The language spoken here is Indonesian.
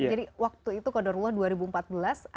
jadi waktu itu qadarullah dua ribu empat belas